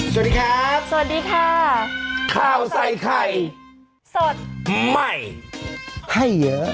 สวัสดีครับสวัสดีค่ะข้าวใส่ไข่สดใหม่ให้เยอะ